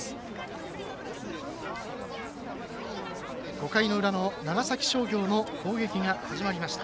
５回の裏の長崎商業の攻撃が始まりました。